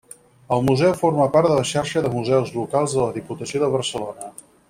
El Museu forma part de la Xarxa de Museus Locals de la Diputació de Barcelona.